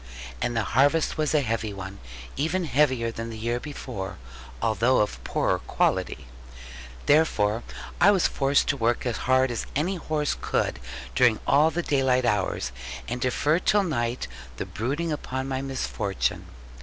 And the harvest was a heavy one, even heavier than the year before, although of poorer quality. Therefore was I forced to work as hard as any horse could during all the daylight hours, and defer till night the brooding upon my misfortune.